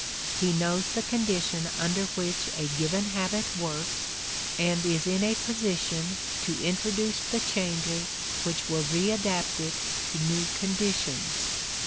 He knows the conditions under which a given habit works, and is in a position to introduce the changes which will readapt it to new conditions.